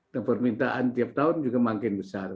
dan permintaan tiap tahun juga makin besar